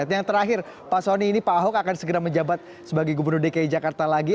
yang terakhir pak soni ini pak ahok akan segera menjabat sebagai gubernur dki jakarta lagi